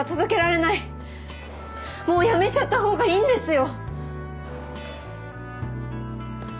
もう辞めちゃった方がいいんですよ！